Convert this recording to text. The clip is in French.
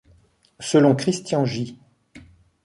Selon Christian-J.